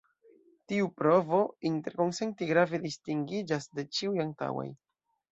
Tiu provo interkonsenti grave distingiĝas de ĉiuj antaŭaj.